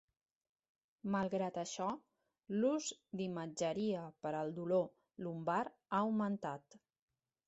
Malgrat això, l'ús d'imatgeria per al dolor lumbar ha augmentat.